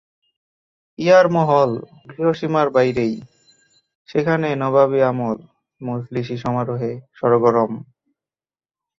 ইয়ারমহল গৃহসীমার বাইরেই, সেখানে নবাবি আমল, মজলিসি সমারোহে সরগরম।